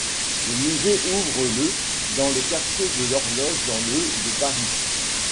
Le musée ouvre le dans le quartier de l'Horloge dans le de Paris.